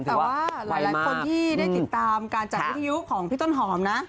แต่ว่าหลายคนที่ได้ติดตามการจัดวิทยุของพี่ต้นหอมนะ